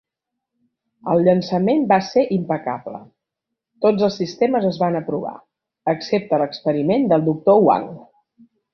El llançament va ser impecable; tots els sistemes es van aprovar, excepte l'experiment del doctor Wang.